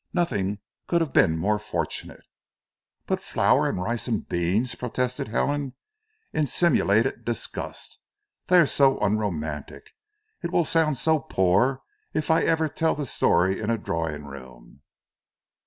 Nothing could have been more fortunate." "But flour, and rice and beans!" protested Helen in simulated disgust. "They are so unromantic! It will sound so poor if ever I tell the story in a drawing room!"